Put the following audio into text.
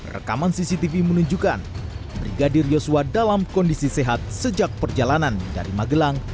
rekaman cctv menunjukkan brigadir yosua dalam kondisi sehat sejak perjalanan dari magelang